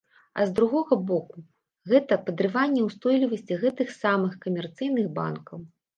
А з другога боку, гэта падрыванне ўстойлівасці гэтых самых камерцыйных банкаў.